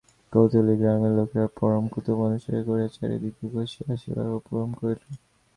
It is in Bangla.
কৌতূহলী গ্রামের লোকেরা পরম কৌতুক অনুভব করিয়া চারি দিকে ঘোঁষিয়া আসিবার উপক্রম করিল।